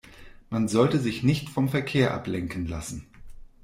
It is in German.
Man sollte sich nicht vom Verkehr ablenken lassen.